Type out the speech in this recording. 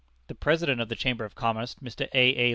The President of the Chamber of Commerce, Mr. A. A.